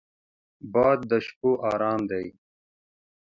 باد د شپو ارام دی